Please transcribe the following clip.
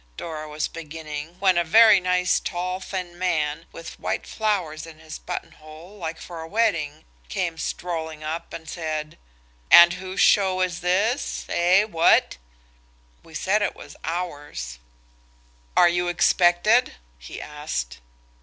Dora was beginning, when a very nice tall, thin man, with white flowers in his buttonhole like for a wedding, came strolling up said– "And whose show is this? Eh, what?" We said it was ours. "Are you expected?" he asked.